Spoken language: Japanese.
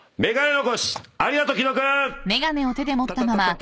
お！